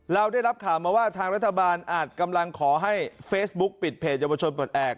เราได้รับข่าวมาว่าทางรัฐบาลอาจกำลังขอให้เฟซบุ๊กปิดเพจเยาวชนปลดแอบ